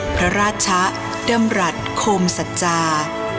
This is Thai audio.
พระราชะดำรัฐโคมสัจจา